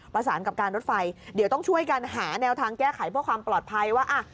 ประสานกับการรถไฟเดี๋ยวต้องช่วยกันหาแนวทางแก้ไขเพื่อความปลอดภัยว่า